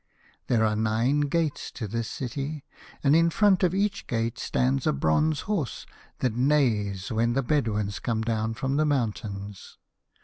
" There are nine gates to this city, and in front of each gate stands a bronze horse that neighs when the Bedouins come down from the mountains.